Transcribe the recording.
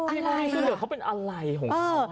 อะไรนะเขาเป็นอะไรของเขา